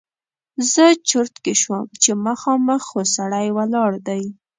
زه چرت کې شوم چې مخامخ خو سړی ولاړ دی!